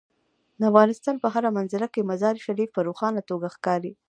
د افغانستان په هره منظره کې مزارشریف په روښانه توګه ښکاري.